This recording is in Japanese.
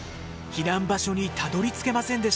避難場所にたどりつけませんでした。